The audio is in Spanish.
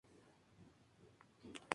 Es de ascendencia italiana y brasileña.